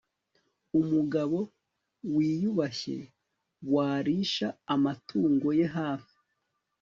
Umugabo wiyubashye warisha amatungo ye hafi